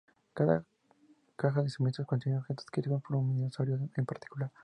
Cada caja de suministros contiene objetos que sirven para un dinosaurio en particular.